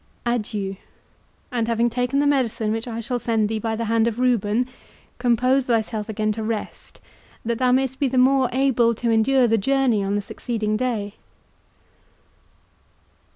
Adieu—and having taken the medicine which I shall send thee by the hand of Reuben, compose thyself again to rest, that thou mayest be the more able to endure the journey on the succeeding day."